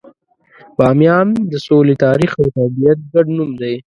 بامیان د سولې، تاریخ، او طبیعت ګډ نوم دی.